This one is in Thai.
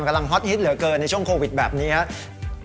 ฮอตฮิตเหลือเกินในช่วงโควิดแบบนี้ครับ